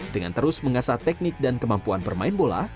dengan terus mengasah teknik dan kemampuan bermain bola